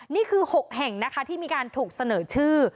นี่คือ๖แห่งนะคะที่มีการถูกเสนอชื่อ